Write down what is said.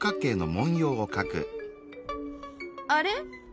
あれ？